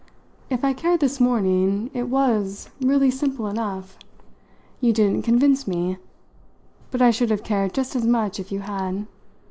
If I cared this morning it was really simple enough. You didn't convince me, but I should have cared just as much if you had.